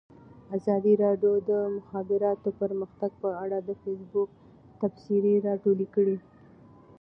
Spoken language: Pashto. ازادي راډیو د د مخابراتو پرمختګ په اړه د فیسبوک تبصرې راټولې کړي.